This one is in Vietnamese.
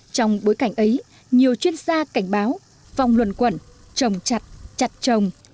trong bối cảnh ấy nhiều chuyên gia cảnh báo vòng luận quẩn trồng chặt chặt trồng